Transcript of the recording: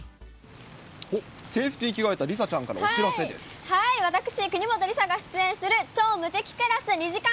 制服に着替えた梨紗ちゃんか私、国本梨紗が出演する超無敵クラス２時間